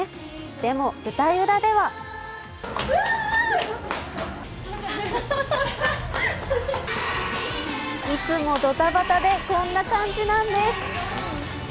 でも、舞台裏ではいつもドタバタでこんな感じなんです。